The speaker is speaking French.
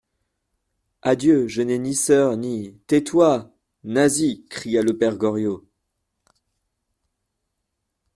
Adieu, je n'ai ni sœur, ni … Tais-toi, Nasie ! cria le père Goriot.